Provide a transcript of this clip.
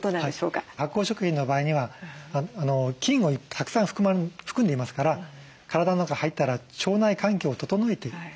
発酵食品の場合には菌をたくさん含んでいますから体の中入ったら腸内環境を整えてくれる。